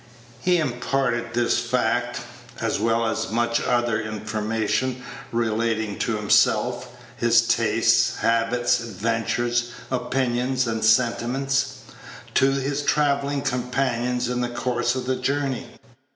He imparted this fact as well as much other information relating to himself, his tastes, habits, adventures, opinions, and sentiments to his travelling companions in the course of the journey.